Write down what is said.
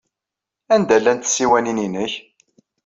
Anda llant tsiwanin-nnek?